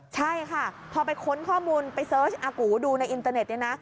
ใช่ค่ะพอไปค้นข้อมูลไปเสิร์ชอากูดูในอินเตอร์เน็ตเนี่ยนะ